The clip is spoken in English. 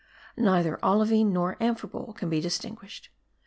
Neither olivine nor amphibole can be distinguished.